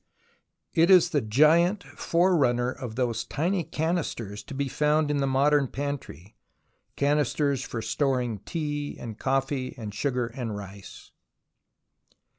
It is the giant forerunner of those tiny canisters to be found in the modern pantry, canisters for storing tea and coffee and sugar and rice.